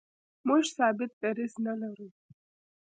موږ ثابت دریځ نه لرو.